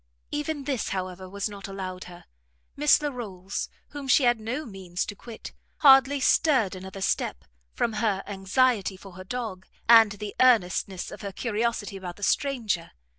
Even this, however, was not allowed her; Miss Larolles, whom she had no means to quit, hardly stirred another step, from her anxiety for her dog, and the earnestness of her curiosity about the stranger.